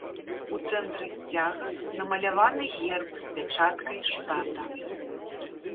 У цэнтры сцяга намаляваны герб з пячаткай штата.